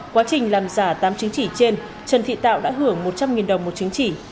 quá trình làm giả tám chứng chỉ trên trần thị tạo đã hưởng một trăm linh đồng một chứng chỉ